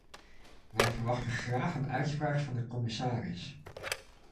Wij verwachten graag een uitspraak van de commissaris.